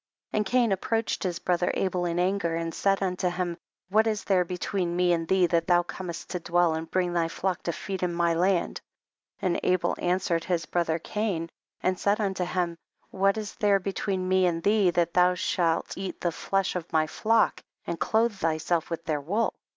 And Cain approached his bro ther Abel in anger, and he said unto him, what is there between me and thee that thou comest to dwell and bring tJiy flock to feed in my land ? 19. And Abel answered his bro ther Cain and said unto him, what is there between me and thee, that thou shah eat the flesh of my flock and clothe thyself with their wool